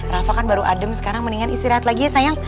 rafa kan baru adem sekarang mendingan istirahat lagi ya sayang